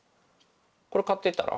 これ買っていったら？